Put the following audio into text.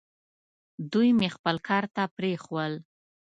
دوی مې خپل کار ته پرېښوول.